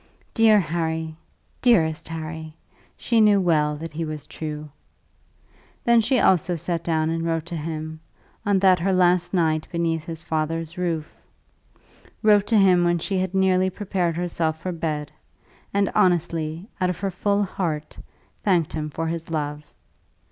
Dear Harry; dearest Harry! She knew well that he was true. Then she also sat down and wrote to him, on that her last night beneath his father's roof, wrote to him when she had nearly prepared herself for her bed; and honestly, out of her full heart, thanked him for his love.